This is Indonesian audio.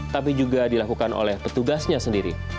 tapi juga dilakukan oleh petugasnya sendiri